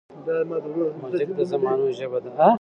موزیک د زمانو ژبه ده.